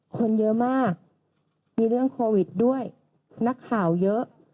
คนเยอะมากมีเรื่องโควิดด้วยนักข่าวเยอะ